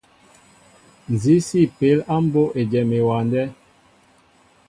Nzi si peel á mbóʼ éjem ewándέ ?